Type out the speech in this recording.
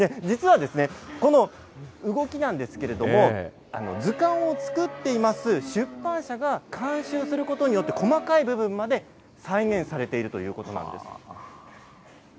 実はこの動きなんですけれども、図鑑を作っています出版社が監修することによって、細かい部分まで再現されているということなんです。